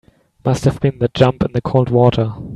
Must have been that jump in the cold water.